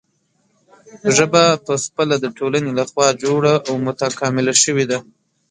ژبه پخپله د ټولنې له خوا جوړه او متکامله شوې ده.